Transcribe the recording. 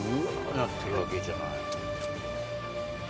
なってるわけじゃない。